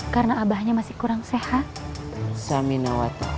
karena abahnya masih kurang sehat